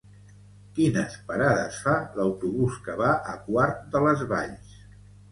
Quines parades fa l'autobús que va a Quart de les Valls?